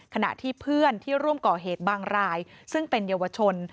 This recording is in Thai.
ขณะที่เพื่อนที่ร่วมก่อเหตุบางรายซึ่งเป็นเยาวชน